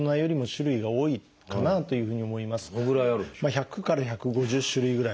１００から１５０種類ぐらい。